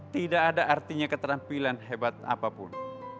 tidak ada artinya keterampilan hebat apapun